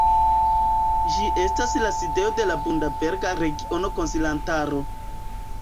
Ĝi estas la sidejo de la Bundaberga Regiona Konsilantaro.